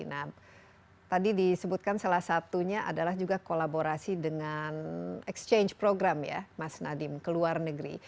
nah tadi disebutkan salah satunya adalah juga kolaborasi dengan exchange program ya mas nadiem ke luar negeri